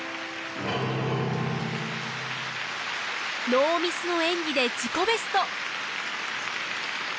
ノーミスの演技で自己ベスト。